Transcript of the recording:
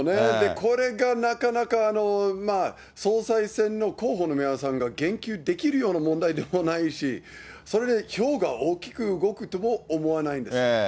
これがなかなか総裁選の候補の皆さんが言及できるような問題でもないし、それで票が大きく動くとも思わないんです。